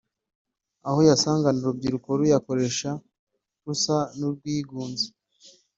aho wasangana urubyiruko ruyakoresha rusa n’urwigunze